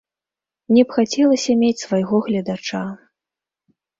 Мне б хацелася мець свайго гледача.